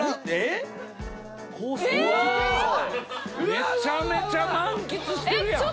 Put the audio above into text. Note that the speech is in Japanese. めちゃめちゃ満喫してるやん。